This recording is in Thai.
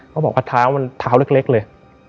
เขาบอกว่าเท้าเล็กเลย